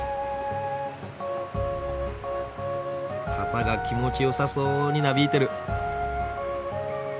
旗が気持ちよさそうになびいてる。